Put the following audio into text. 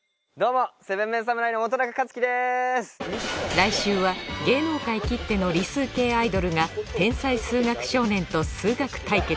来週は芸能界きっての理数系アイドルが天才数学少年と数学対決